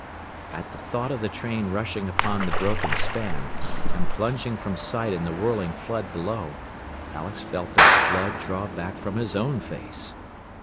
At the thought of the train rushing upon the broken span, and plunging from sight in the whirling flood below, Alex felt the blood draw back from his own face.